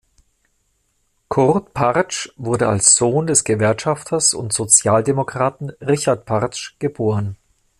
Kurt Partzsch wurde als Sohn des Gewerkschafters und Sozialdemokraten Richard Partzsch geboren.